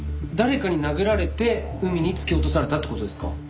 誰かに殴られて海に突き落とされたって事ですか？